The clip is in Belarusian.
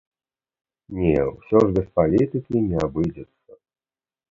Не, усё ж без палітыкі не абыдзецца.